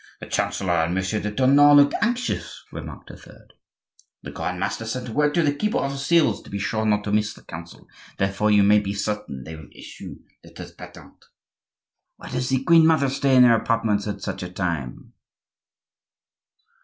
"The chancellor and Monsieur de Tournon looked anxious," remarked a third. "The grand master sent word to the keeper of the seals to be sure not to miss this Council; therefore you may be certain they will issue letters patent." "Why does the queen mother stay in her own apartments at such a time?"